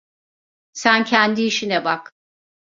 Sen kendi işine bak!